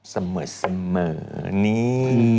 เสมอนี่